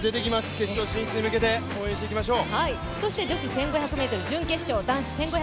決勝進出に向けて応援していきましょう。